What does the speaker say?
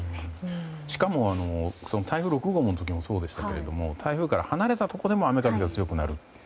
しかも台風６号の時もそうでしたけども台風から離れたところでも雨風が強くなる。